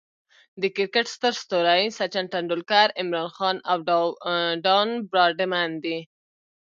د کرکټ ستر ستوري سچن ټندولکر، عمران خان، او ډان براډمن دي.